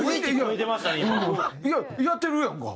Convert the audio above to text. いややってるやんか。